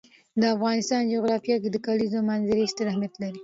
د افغانستان جغرافیه کې د کلیزو منظره ستر اهمیت لري.